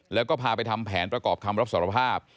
แล้วก็พาไปทำแผนประกอบคำรับสารภาพ